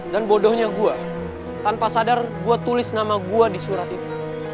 dan bodohnya gue tanpa sadar gue tulis nama gue di surat itu